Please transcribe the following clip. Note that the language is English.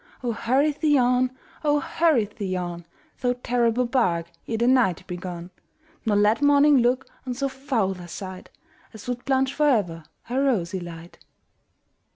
Oh! hurry thee on oh! hurry thee on, Thou terrible bark, ere the night be gone, Nor let morning look on so foul a sight As would blanch for ever her rosy light!